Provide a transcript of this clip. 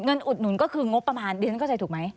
อุดหนุนก็คืองบประมาณดิฉันเข้าใจถูกไหม